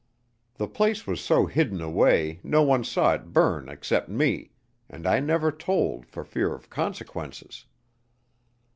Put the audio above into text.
The place was so hidden away no one saw it burn except me, and I never told for fear of consequences."